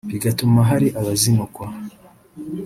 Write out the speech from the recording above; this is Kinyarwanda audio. bigatuma hari abazinukwa